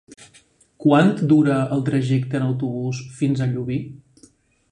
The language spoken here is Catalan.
Quant dura el trajecte en autobús fins a Llubí?